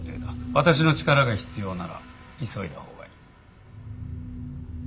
私の力が必要なら急いだほうがいい。